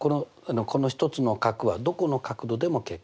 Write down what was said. この１つの角はどこの角度でも結構です。